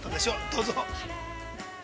どうぞ。